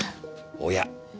おや。